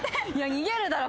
逃げるだろ。